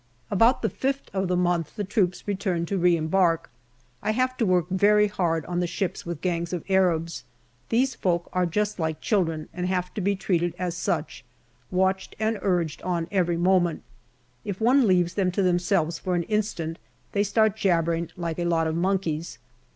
About the fifth of the month the troops return to re embark I have to 26 GALLIPOLI DIARY work very hard on the ships with gangs of Arabs. These folk are just like children, and have to be treated as such watched and urged on every moment ; if one leaves them to themselves for an instant they start jabbering like a lot of monkeys.